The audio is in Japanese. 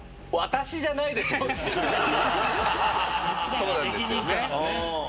そうなんですよね。